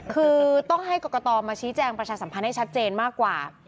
คือต้องให้กรกตมาชี้แจงประชาสัมพันธ์ให้ชัดเจนมากกว่า